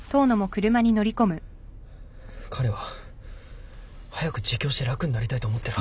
彼は早く自供して楽になりたいと思ってるはずです。